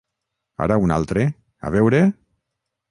Ara un altre, a veure?